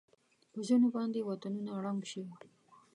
په ځېنو باندې وطنونه ړنګ شي.